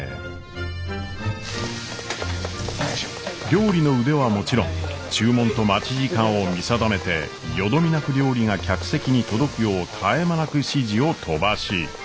料理の腕はもちろん注文と待ち時間を見定めてよどみなく料理が客席に届くよう絶え間なく指示を飛ばし。